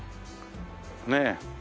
ねえ。